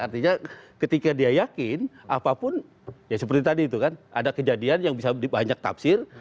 artinya ketika dia yakin apapun ya seperti tadi itu kan ada kejadian yang bisa banyak tafsir